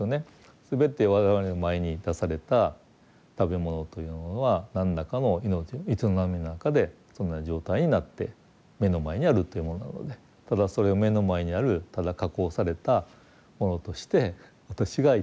全て我々の前に出された食べ物というのは何らかの命の営みの中でそんな状態になって目の前にあるというものなのでただそれを目の前にあるただ加工されたものとして私が頂くという感覚なのか